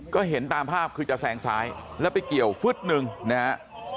ก็เห็นตามภาพคือจะแซงซ้ายแล้วไปเกี่ยวฟึ๊ดหนึ่งนะฮะ